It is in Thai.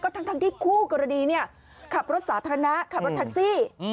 ก็ทั้งที่คู่กรณีเนี่ยขับรถสาธารณะขับรถทักซี่